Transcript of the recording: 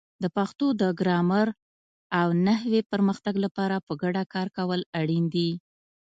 د پښتو د ګرامر او نحوې پرمختګ لپاره په ګډه کار کول اړین دي.